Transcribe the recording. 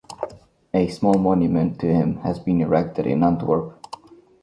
A small monument to him has been erected in Antwerp.